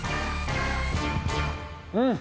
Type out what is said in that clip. うん。